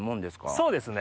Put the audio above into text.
そうですね。